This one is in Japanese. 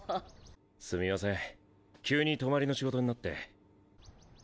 すみません急に泊まりの仕事になって。